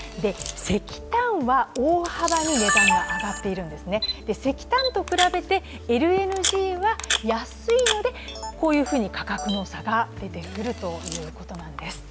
石炭は大幅に値段が上がっているんですね、石炭と比べてＬＮＧは安いのでこういうふうに価格の差が出てくるということなんです。